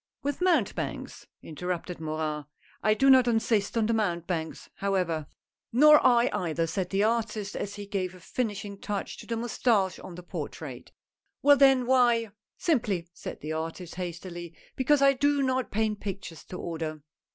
"With mountebanks?" interrupted Morin. " I do not insist on the mountebanks, however I " A NEW ASPIRANT. 149 " Nor I either," said the artist as he gave a finishing touch to the moustache on the portrait. " Well then, why "" Simply," said the artist, hastily, " because I do not paint pictures to order.